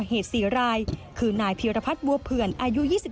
มีการไล่เบียดกันไปเรื่อยครับ